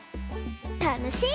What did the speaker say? たのしい！